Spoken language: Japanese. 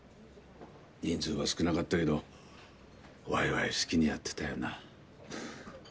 人数は少なかったけどワイワイ好きにやってたよな。